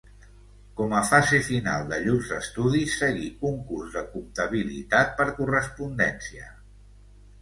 Com a fase final de llurs estudis seguí un curs de comptabilitat per correspondència.